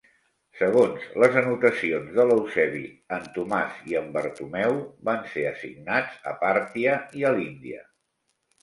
Segons les anotacions de l'Eusebi, en Tomàs i en Bartomeu van ser assignats a Pàrtia i a l'Índia.